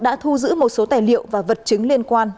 đã thu giữ một số tài liệu và vật chứng liên quan